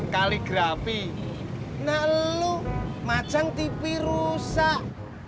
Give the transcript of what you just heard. kaligrafi nah lu macang tv rusak